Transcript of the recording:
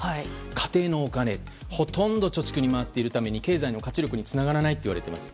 家庭のお金、ほとんど貯蓄に回っているために経済の活力につながらないといわれています。